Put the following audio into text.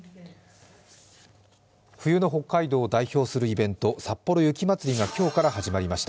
冬の北海道を代表するイベント、さっぽろ雪まつりが今日から始まりました。